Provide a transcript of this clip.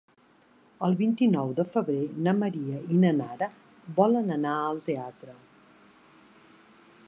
El vint-i-nou de febrer na Maria i na Nara volen anar al teatre.